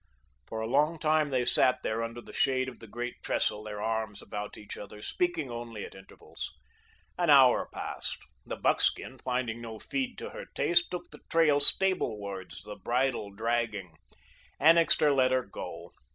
For a long time they sat there under the shade of the great trestle, their arms about each other, speaking only at intervals. An hour passed. The buckskin, finding no feed to her taste, took the trail stablewards, the bridle dragging. Annixter let her go.